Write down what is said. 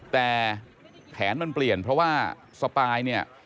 แต่แผนมันเปลี่ยนเพราะว่าสปายเนี่ย